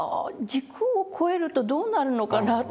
「時空を超えるとどうなるのかな？」と。